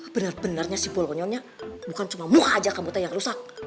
bener benernya si polonyonya bukan cuma muka aja kamu tuh yang rusak